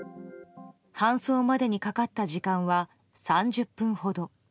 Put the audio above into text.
搬送までにかかった時間は３０分ほど。